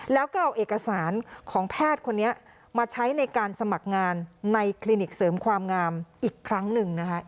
แล้วก็เอาเอกสารของแพทย์คนนี้มาใช้ในการสมัครงานในคลินิกเสริมความงามอีกครั้งหนึ่งนะคะ